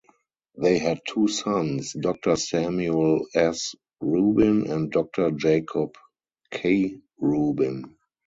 They had two sons; Doctor Samuel S. Rubin and Doctor Jacob K. Rubin.